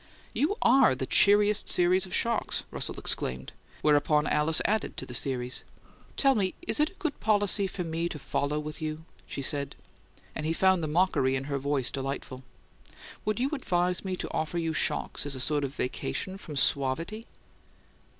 "You ARE the cheeriest series of shocks," Russell exclaimed, whereupon Alice added to the series. "Tell me: Is it a good policy for me to follow with you?" she asked, and he found the mockery in her voice delightful. "Would you advise me to offer you shocks as a sort of vacation from suavity?"